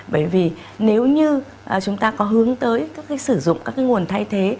bởi vì nếu như chúng ta có hướng tới các cái sử dụng các cái nguồn thay thế